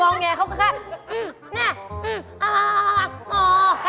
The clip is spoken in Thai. ลองแงเขาก็แค่